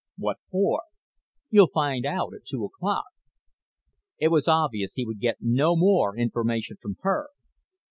"What for?" "You'll find out at two o'clock." It was obvious he would get no more information from her.